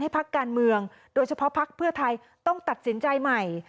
พักการเมืองโดยเฉพาะพักเพื่อไทยต้องตัดสินใจใหม่